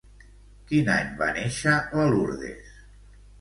Quin any va néixer la Lourdes?